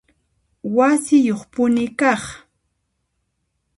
Wasiyuqpuni kaq